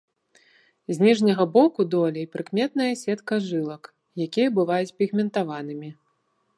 З ніжняга боку долей прыкметная сетка жылак, якія бываюць пігментаванымі.